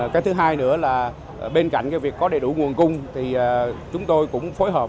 cái thứ hai nữa là bên cạnh cái việc có đầy đủ nguồn cung thì chúng tôi cũng phối hợp